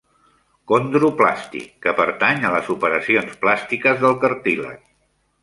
"Condroplàstic": que pertany a les operacions plàstiques del cartílag.